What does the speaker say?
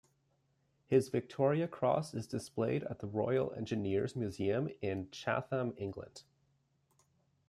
His Victoria Cross is displayed at the Royal Engineers Museum in Chatham, England.